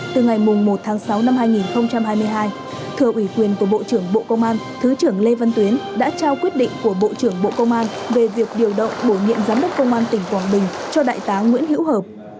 từ ngày một tháng sáu năm hai nghìn hai mươi hai thừa ủy quyền của bộ trưởng bộ công an thứ trưởng lê văn tuyến đã trao quyết định của bộ trưởng bộ công an về việc điều động bổ nhiệm giám đốc công an tỉnh quảng bình cho đại tá nguyễn hữu hợp